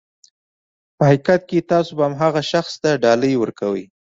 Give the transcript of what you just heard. په حقیقت کې تاسو هماغه شخص ته ډالۍ ورکوئ.